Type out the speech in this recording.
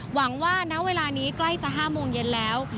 หวังว่าณเวลานี้ใกล้จะ๕โมงเย็นแล้ว